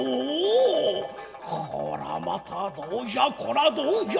こらまたどうじゃこらどうじゃ！